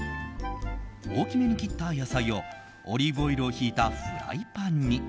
大きめに切った野菜をオリーブオイルをひいたフライパンに。